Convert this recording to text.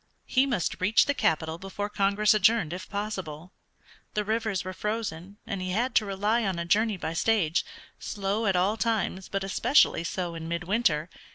He must reach the capital before Congress adjourned if possible. The rivers were frozen, and he had to rely on a journey by stage, slow at all times, but especially so in midwinter.